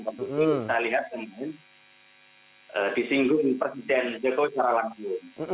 saya lihat kemarin disinggung presiden jokowi secara langsung